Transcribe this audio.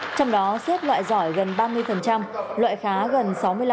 trong đó xếp loại giỏi gần ba mươi loại khá gần sáu mươi năm